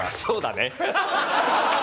そうだね。